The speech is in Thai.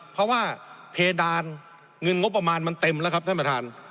เพราะว่าเพดานเงินงบประมาณมันเต็มแล้วครับท่านประธาน